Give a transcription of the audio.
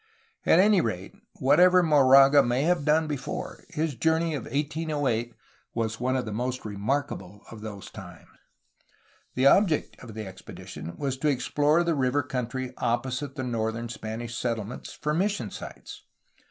At any rate, whatever Moraga may have done before, his jour ney of 1808 was one of the most remarkable of those times. The object of the expedition was to explore the river country opposite the northern Spanish settlements for mis sion sites.